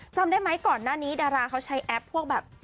จำได้ไหมก่อนหน้านี้ดาราเขาใช้แอปพวกแบบ